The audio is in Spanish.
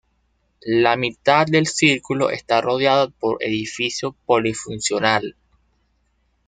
La mitad del círculo está rodeado por edificio polifuncional.